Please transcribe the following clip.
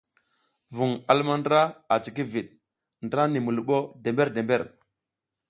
Vuƞ a luma ndra a cikivit ndra mi luɓo dember-dember.